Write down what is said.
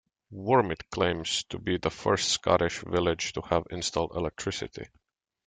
Wormit claims to be the first Scottish village to have installed electricity.